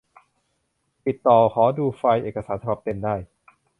ติดต่อขอดูไฟล์เอกสารฉบับเต็มได้